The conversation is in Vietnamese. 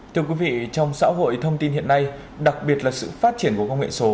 thưa quý vị trong xã hội thông tin hiện nay đặc biệt là sự phát triển của công nghệ số